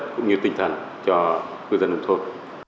cũng như tinh thần cho người dân nông thôn